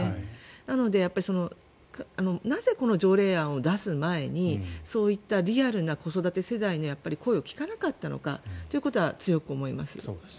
なので、なぜこの条例案を出す前にリアルな子育て世代の話を聞かなかったのかということは強く思います。